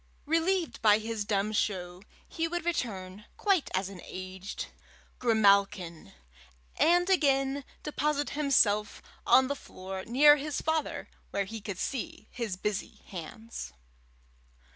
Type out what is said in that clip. Relieved by his dumb show, he would return, quiet as an aged grimalkin, and again deposit himself on the floor near his father where he could see his busy hands.